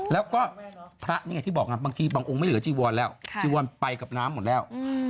แล้วก็พระนี่ไงที่บอกบางทีบางองค์ไม่เหลือจีวรแล้วจีวอนไปกับน้ำหมดแล้ว